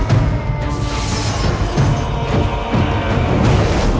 aku tidak terima